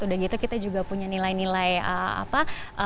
udah gitu kita juga punya nilai nilai apa